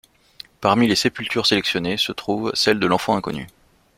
Parmi les sépultures sélectionnées se trouve celle de l'enfant inconnu.